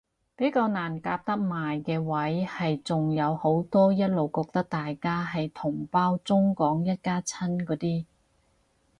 比較難夾得埋嘅位係仲有好多一路覺得大家係同胞中港一家親嗰啲